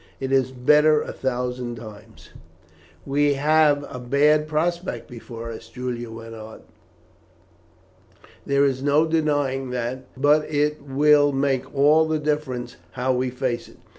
"It is better a thousand times." "We have a bad prospect before us," Julian went on. "There is no denying that; but it will make all the difference how we face it.